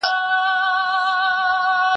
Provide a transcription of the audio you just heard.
د يوسف عليه السلام وروڼه ذکر سوي دي.